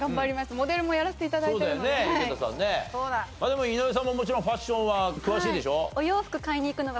でも井上さんももちろんファッションは詳しいでしょ？